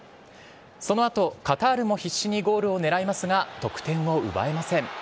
そのあと、カタールも必死にゴールを狙いますが、得点を奪えません。